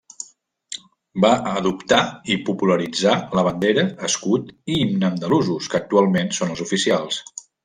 Va adoptar i popularitzar la bandera, escut i himne andalusos, que actualment són els oficials.